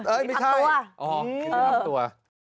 เออไม่ใช่อ๋ออยู่ทั้งตัว